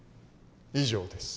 以上です。